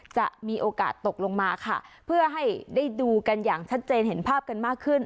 จะมีโอกาสตกลงมาค่ะเพื่อให้ได้ดูกันอย่างชัดเจนเห็นภาพกันมากขึ้น